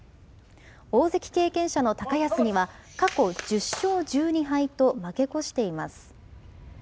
大関経験者の高安には、過去１０勝１２敗と負け越しています。